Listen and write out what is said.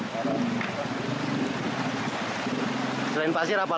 selain batu yang diambil